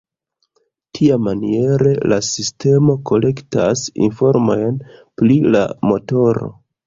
Tiamaniere la sistemo kolektas informojn pri la motoro.